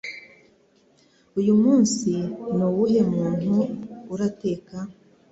Uyu munsi ni uwuhe muntu urateka?